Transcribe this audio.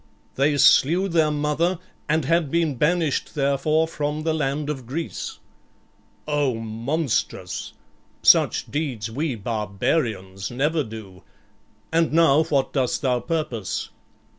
"They slew their mother and had been banished therefor from the land of Greece." "O monstrous! Such deeds we barbarians never do. And now what dost thou purpose?"